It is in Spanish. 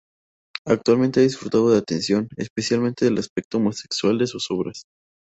Actualmente ha disfrutado de atención, especialmente el aspecto homosexual de sus obras.